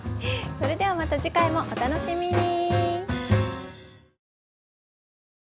それではまた次回もお楽しみに。